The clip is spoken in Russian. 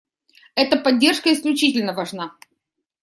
Эта поддержка исключительно важна.